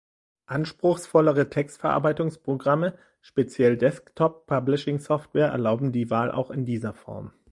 Anspruchsvollere Textverarbeitungsprogramme, speziell Desktop-Publishing-Software, erlauben die Wahl auch in dieser Form.